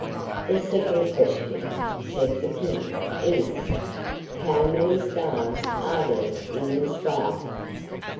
"The second question," said the King, "is: How many stars are there in the sky?"